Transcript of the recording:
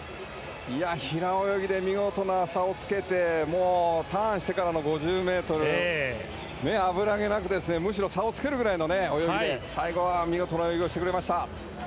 平泳ぎで見事な差をつけてターンしてからの５０ｍ危なげなくむしろ差をつけるくらいの泳ぎで最後は見事な泳ぎをしてくれました。